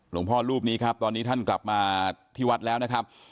พ่อรูปนี้ครับตอนนี้ท่านกลับมาที่วัดแล้วนะครับ